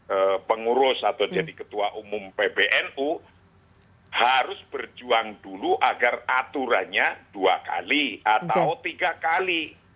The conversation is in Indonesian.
jadi pengurus atau jadi ketua umum pbnu harus berjuang dulu agar aturannya dua kali atau tiga kali